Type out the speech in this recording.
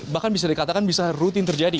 bahkan bisa dikatakan bisa rutin terjadi